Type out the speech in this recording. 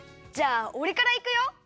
じゃあおれからいくよ。